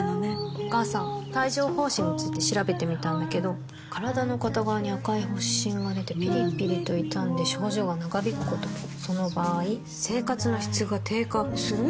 お母さん帯状疱疹について調べてみたんだけど身体の片側に赤い発疹がでてピリピリと痛んで症状が長引くこともその場合生活の質が低下する？